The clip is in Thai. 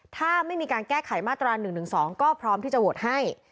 ถ้าไม่มีการแก้ไขมาตรา๑๑๒ก็พร้อมที่จะโหวตให้